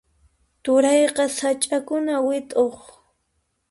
Turayqa sach'akuna wit'uq.